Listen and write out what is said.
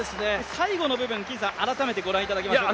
最後の部分、改めてご覧いただきましょう。